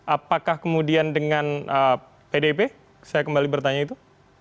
apakah kemudian dengan pdip saya kembali bertanya itu